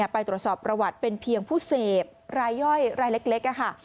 ไปตรวจสอบประวัติเป็นเพียงผู้เสพรายย่อยรายเล็กค่ะ